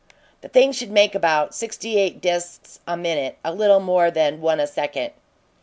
"The thing should make about sixty eight disks a minute a little more than one a second."